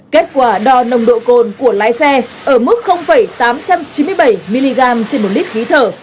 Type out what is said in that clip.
kết quả đo nồng độ cồn của lái xe ở mức tám trăm chín mươi bảy mg trên một lít khí thở